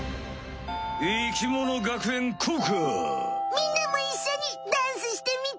みんなもいっしょにダンスしてみて！